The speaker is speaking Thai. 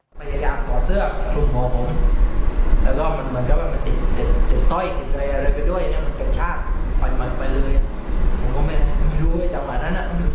ผมไม่เข้าใจน่าจะผิดคนบอกไม่รู้ว่า